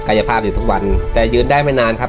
กายภาพอยู่ทุกวันแต่ยืนได้ไม่นานครับ